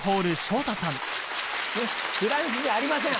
フランスじゃありません！